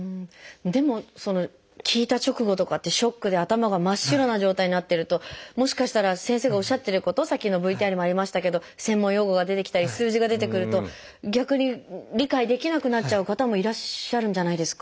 でも聞いた直後とかってショックで頭が真っ白な状態になってるともしかしたら先生がおっしゃってることさっきのＶＴＲにもありましたけど専門用語が出てきたり数字が出てくると逆に理解できなくなっちゃう方もいらっしゃるんじゃないですか？